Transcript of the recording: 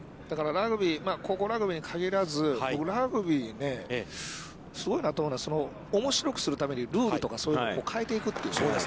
だからラグビー、高校ラグビーに限らず、ラグビーね、すごいなと思うのは、おもしろくするためにルールとかそういうのを変えていくという。